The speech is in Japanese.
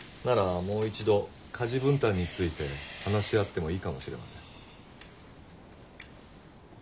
ならもう一度家事分担について話し合ってもいいかもしれません。